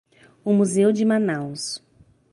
O museu de Manaus.